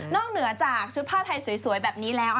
เหนือจากชุดผ้าไทยสวยแบบนี้แล้ว